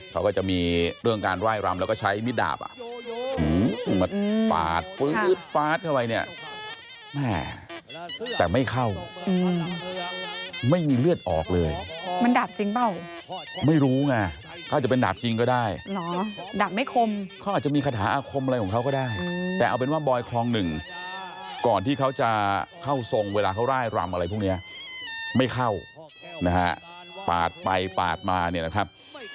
เขาก็จะมีเรื่องการไล่รำแล้วก็ใช้มิดดาบ